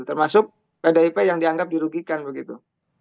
termasuk pdip yang dianggap dirugikan begitu